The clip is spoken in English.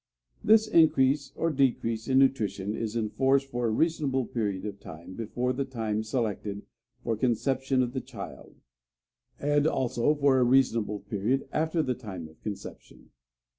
This increase or decrease in nutrition is enforced for a reasonable period before the time selected for the conception of the child, and also for a reasonable period after the time of conception.